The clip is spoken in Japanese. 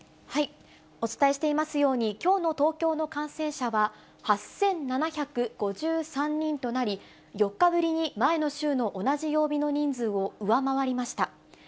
お伝えしていますように、きょうの東京の感染者は８７５３人となり、４日ぶりに前の週の同じ曜日の人数を上回りました。